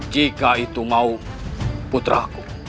jika itu mau putraku